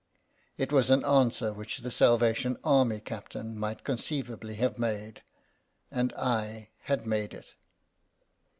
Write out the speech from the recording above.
It was an answer which the Salvation Army captain might conceivably have made — and I had made it.